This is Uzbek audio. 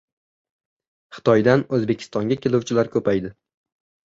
Xitoydan O‘zbekistonga keluvchilar ko‘paydi